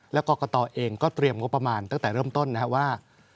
และกรกตเองก็เตรียมงบประมาณตั้งแต่เริ่มต้นนะครับว่า